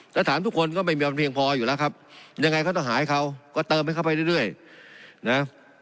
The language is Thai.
แล้วถามทุกคนก็ไม่มีวันเพียงพออยู่แล้วครับยังไงก็ต้องหาให้เขาก็เติมให้เข้าไปเรื่อยนะ